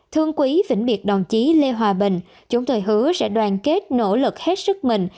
thương quý vĩnh biệt đồng chí lê hòa bình chúng thời hứa sẽ đoàn kết nỗ lực hết sức mình